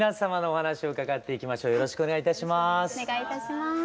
お願いいたします。